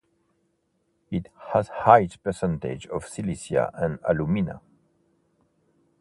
It has high percentage of silica and alumina.